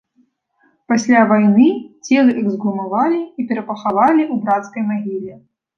Пасля вайны целы эксгумавалі і перапахавалі ў брацкай магіле.